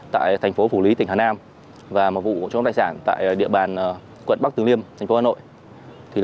tại thành phố phủ lý tỉnh hà nam và một vụ trộm tài sản tại địa bàn quận bắc từ liêm thành phố hà nội